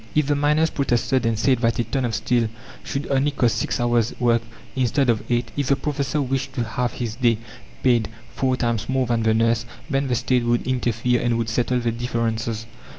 If the miners protested and said that a ton of steel should only cost six hours' work instead of eight; if the professor wished to have his day paid four times more than the nurse, then the State would interfere and would settle their differences.